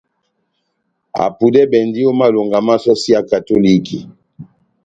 Apudɛbɛndi ó malonga má sɔsi ya katoliki.